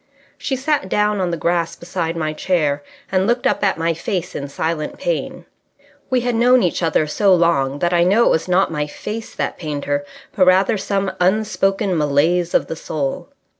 She sat down on the grass beside my chair, and looked up at my face in silent pain. We had known each other so long that I know that it was not my face that pained her, but rather some unspoken malaise of the soul.